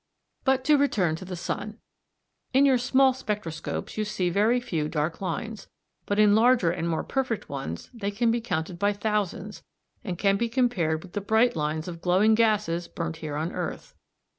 But to return to the sun. In your small spectroscopes you see very few dark lines, but in larger and more perfect ones they can be counted by thousands, and can be compared with the bright lines of glowing gases burnt here on earth.